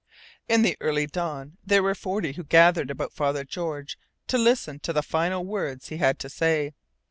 In the early dawn there were forty who gathered about Father George to listen to the final words he had to say.